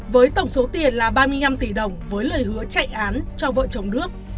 với tổng số tiền là ba mươi năm tỷ đồng với lời hứa chạy án cho vợ chồng đức